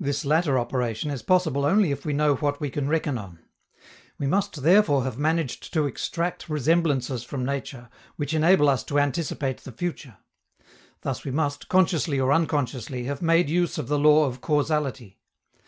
This latter operation is possible only if we know what we can reckon on. We must therefore have managed to extract resemblances from nature, which enable us to anticipate the future. Thus we must, consciously or unconsciously, have made use of the law of causality.